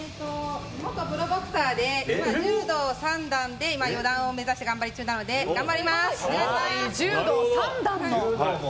元プロボクサーで今、柔道三段で四段を目指して頑張り中なので頑張ります！